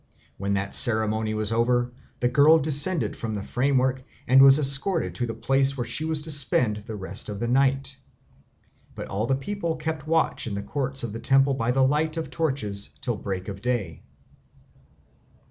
When that ceremony was over, the girl descended from the framework and was escorted to the place where she was to spend the rest of the night. But all the people kept watch in the courts of the temple by the light of torches till break of day.